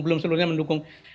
belum seluruhnya mendukung